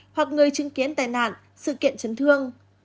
hoặc người chứng kiến tài nạn sự kiện chấn thương